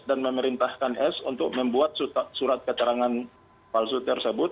dan memerintahkan s untuk membuat surat keterangan palsu tersebut